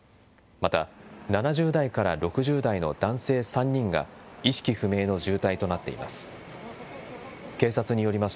また、７０代から６０代の男性３人が、意識不明の重体となっています。